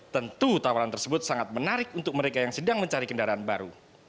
tentu tawaran tersebut sangat menarik untuk mereka yang sedang mencari kendaraan baru